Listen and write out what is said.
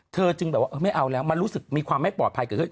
เธอจึงแบบว่าไม่เอาแล้วมันรู้สึกมีความไม่ปลอดภัย